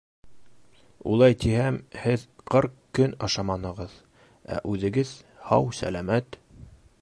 Улай тиһәм, һеҙ ҡырҡ көн ашаманығыҙ, ә үҙегеҙ һау-сәләмәт.